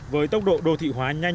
với tốc độ đô thị hóa nhanh